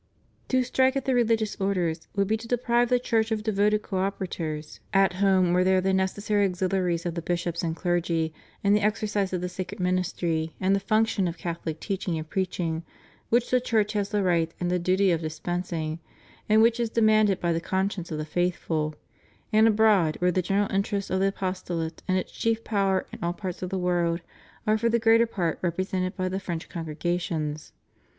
To strike at the religious orders would be to deprive the Church of devoted co operators: at home where they are the necessary auxiliaries of the bishops and clergy in the exercise of the sacred ministrj'^ and the function of Catholic teach ng and preaching which the Church has the right and the duty of dispensing, and which is de manded by the conscience of the faithful; and abroad where the general interests of the apostolate and its chief power in all parts of the world are for the greater part represented by the French congregations.